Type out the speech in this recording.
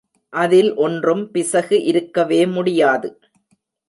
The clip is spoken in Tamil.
அதில் ஒன்றும் பிசகு இருக்கவே முடியாது.